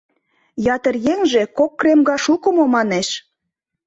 Ятыр еҥже, кок кремга шуко мо, манеш.